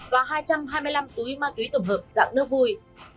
và hai trăm hai mươi năm túi ma túy tổng hợp dạng nước vui